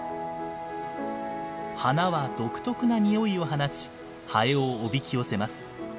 花は独特な匂いを放ちハエをおびき寄せます。